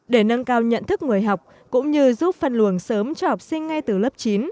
để nâng cao nhận thức người học cũng như giúp phân luồng sớm cho học sinh ngay từ lớp chín